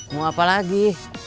mau apa lagi